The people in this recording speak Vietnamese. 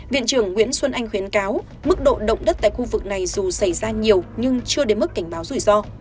viện trưởng nguyễn xuân anh khuyến cáo mức độ động đất tại khu vực này dù xảy ra nhiều nhưng chưa đến mức cảnh báo rủi ro